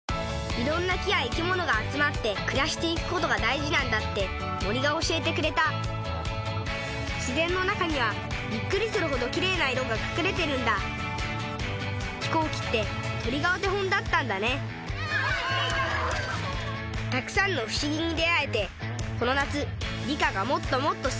いろんな木や生き物が集まって暮らしていくことが大事なんだって森が教えてくれた自然の中にはびっくりするほど綺麗な色が隠れてるんだ飛行機って鳥がお手本だったんだねたくさんの不思議に出会えてこの夏理科がもっともっと好きになりました